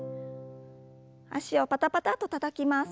脚をパタパタとたたきます。